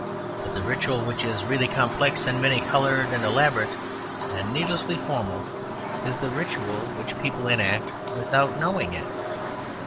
But the ritual which is really complex, and many coloured, and elaborate, and needlessly formal, is the ritual which people enact without knowing it.